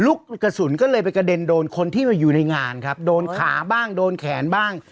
กระสุนก็เลยไปกระเด็นโดนคนที่อยู่ในงานครับโดนขาบ้างโดนแขนบ้าง